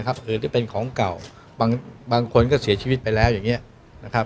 อื่นที่เป็นของเก่าบางคนก็เสียชีวิตไปแล้วอย่างนี้นะครับ